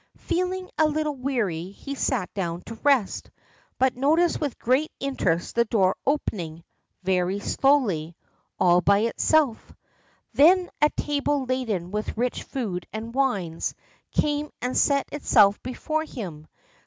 Feeling a little weary, he sat down to rest, but noticed with great interest the door opening very slowly, all by itself. Then a table laden with rich food and wines came and set itself before him.